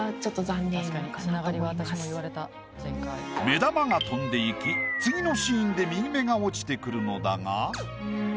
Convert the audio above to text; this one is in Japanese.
目玉が飛んでいき次のシーンで右目が落ちてくるのだが。